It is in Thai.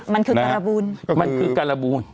มันคือกระบูน